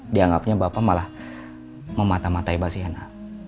dianggapnya bapak malah memata matai mbak sienna